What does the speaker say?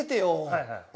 はいはい。